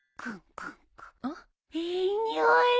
いい匂い。